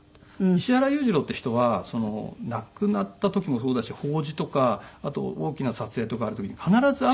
石原裕次郎って人は亡くなった時もそうだし法事とかあと大きな撮影とかある時に必ず雨が。